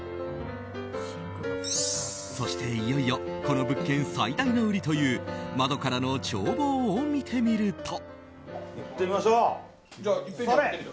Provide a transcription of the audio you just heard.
そして、いよいよこの物件最大の売りという窓からの眺望を見てみると。